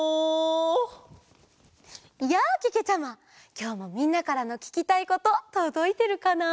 きょうもみんなからのききたいこととどいてるかな？